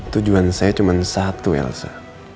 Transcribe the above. tujuan saya cuma satu elsa